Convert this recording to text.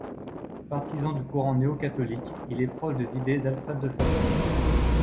Partisan du courant néo-catholique, il est proche des idées d'Alfred de Falloux.